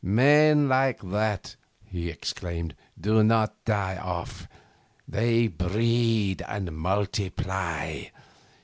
'Men like that,' he exclaimed, 'do not die off. They breed and multiply.